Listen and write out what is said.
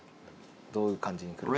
どういう感じにくるか。